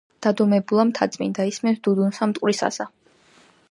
დადუმებულა მთაწმინდა ისმენს დუდუნსა მტკვრისასა.